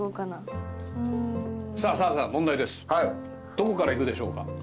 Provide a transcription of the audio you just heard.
どこからいくでしょうか？